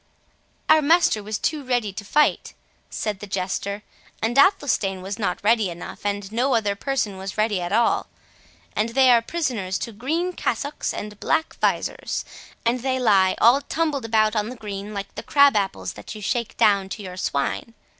"Our master was too ready to fight," said the Jester; "and Athelstane was not ready enough, and no other person was ready at all. And they are prisoners to green cassocks, and black visors. And they lie all tumbled about on the green, like the crab apples that you shake down to your swine.